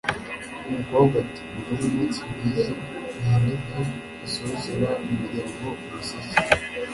umukobwa ati mugire umunsi mwiza uhinduke asohokera umuryango umuseke